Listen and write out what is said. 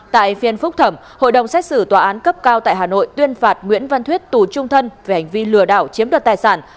tại phiên phúc thẩm hội đồng xét xử tòa án cấp cao tại hà nội tuyên phạt nguyễn văn thuyết tù trung thân về hành vi lừa đảo chiếm đoạt tài sản